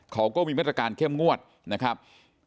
เขาก็มีมาตรการเข้มงวดนะครับ